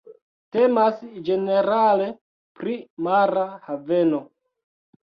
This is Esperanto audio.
Temas ĝenerale pri mara haveno.